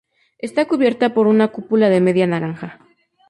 Esta esta cubierta por una cúpula de media naranja.